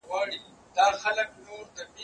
زه مخکي سبزیجات وچولي وو،